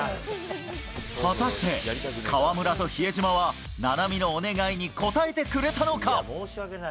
果たして、河村と比江島は菜波のお願いに応えてくれたのか。